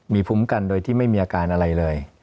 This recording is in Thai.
มีภูมิกันโดยที่ไม่มีอาการอะไรเลย